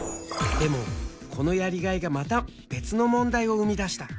でもこのやりがいがまた別の問題を生み出した。